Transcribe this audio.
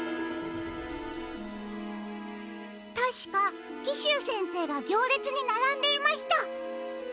たしかキシュウせんせいがぎょうれつにならんでいました。